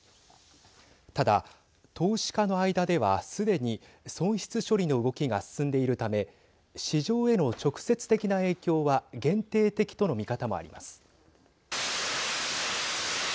ただ、投資家の間ではすでに損失処理の動きが進んでいるため市場への直接的な影響は限定的との見方もあります。